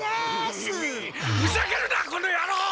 ふざけるなこのやろう！